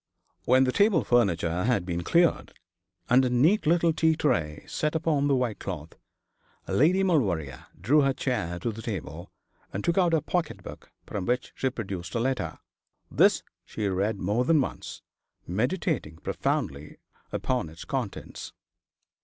When the table furniture had been cleared, and a neat little tea tray set upon the white cloth, Lady Maulevrier drew her chair to the table, and took out her pocket book, from which she produced a letter. This she read more than once, meditating profoundly upon its contents.